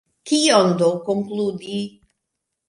Kion do konkludi?